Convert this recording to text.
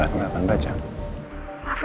ini kan yang pengen causes